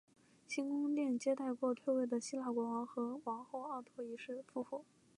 新宫殿接待过退位的希腊国王和王后奥托一世夫妇。